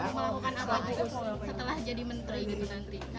mau mau kan apaan setelah jadi menteri gitu nanti